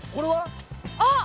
あっ！